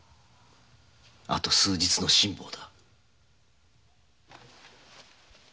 あと数日の辛抱だ。